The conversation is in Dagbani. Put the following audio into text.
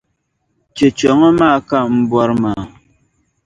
Cheche ŋɔ maa ka n-bɔri maa.